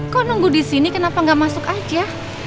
kok nunggu disini kenapa gak masuk aja